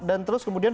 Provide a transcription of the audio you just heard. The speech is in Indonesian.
dan terus kemudian